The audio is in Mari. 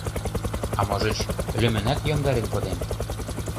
А можыч, лӱмынак йомдарен коден?